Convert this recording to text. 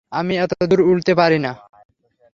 আমি এতদূর উড়তে পারি না।